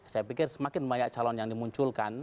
saya pikir semakin banyak calon yang dimunculkan